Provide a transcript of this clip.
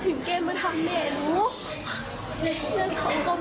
ถึงหนูมานั่งร้อง